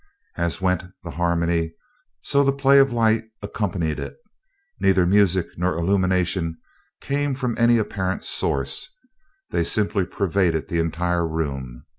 As went the harmony, so the play of light accompanied it. Neither music nor illumination came from any apparent source; they simply pervaded the entire room.